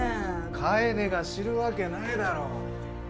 楓が知るわけないだろ